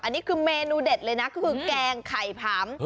อันนี้คือเมนูเด็ดเลยนะก็คือแกงไข่ผำ